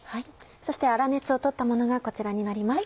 そして粗熱をとったものがこちらになります。